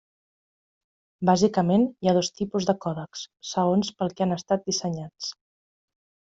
Bàsicament hi ha dos tipus de còdecs, segons pel que han estat dissenyats.